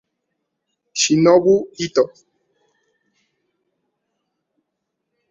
Shinobu Ito